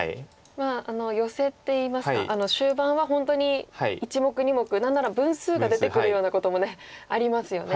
ヨセっていいますか終盤は本当に１目２目何なら分数が出てくるようなこともありますよね。